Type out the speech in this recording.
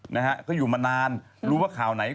เขาอยู่มานานรู้ว่าข่าวไหน